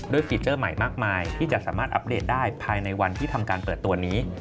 ฟีเจอร์ใหม่มากมายที่จะสามารถอัปเดตได้ภายในวันที่ทำการเปิดตัวนี้